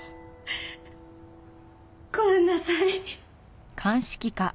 ごめんなさい。